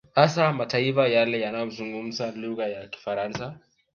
Hasa mataifa yale yanayozungumza lugha ya Kifaransa